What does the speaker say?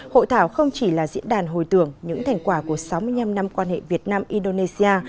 hội thảo không chỉ là diễn đàn hồi tưởng những thành quả của sáu mươi năm năm quan hệ việt nam indonesia